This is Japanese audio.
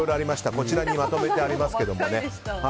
こちらにまとめてありますけども。